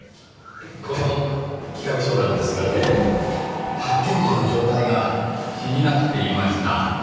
この企画書なんですがね発見時の状態が気になっていました。